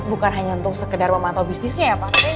bukan hanya untuk sekedar memantau bisnisnya ya pak